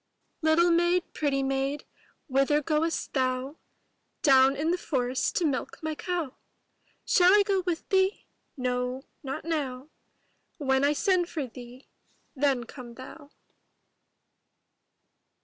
ITTLE maid, pretty maid, whither goest thou? Down in the forest to milk my cow. Shall I go with thee? No, not now; When I send for thee, then come thou.